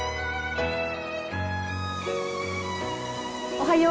おはよう。